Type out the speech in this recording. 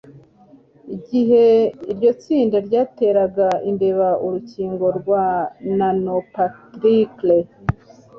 Igihe iryo tsinda ryateraga imbeba urukingo rwa nanoparticle,